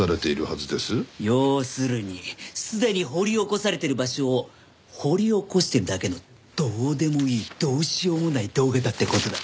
要するにすでに掘り起こされている場所を掘り起こしてるだけのどうでもいいどうしようもない動画だって事だ。